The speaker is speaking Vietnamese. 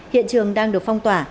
hiện trường đang được phong tỏa